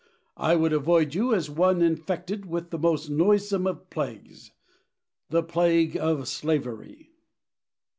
I would avoid you as one infected with the most noisome of plagues the plague of slavery.